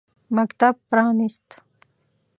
مکتب پرانیست.